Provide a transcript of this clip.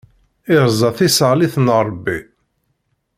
Iṛẓa tiseɣlit n Ṛebbi.